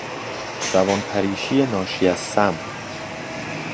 روان پریشی ناشی ازسم